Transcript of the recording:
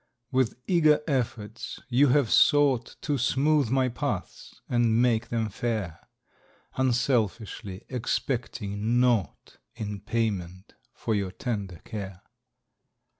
% W ITH eager efforts you Have sougkt To smootk my paths and make them fair, Unselfiskly expect 5 mg naugkt In payment for your tender care.